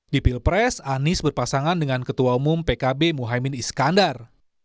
di pilpres anies berpasangan dengan ketua umum pkb muhaymin iskandar